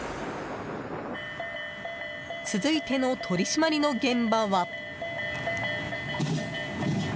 続いての取り締まりの現場は。